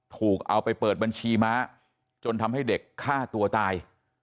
ถูกเอาไปเปิดบัญชีม้าจนทำให้เด็กฆ่าตัวตาย